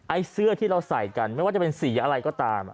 เสื้อที่เราใส่กันไม่ว่าจะเป็นสีอะไรก็ตาม